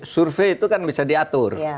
survei itu kan bisa diatur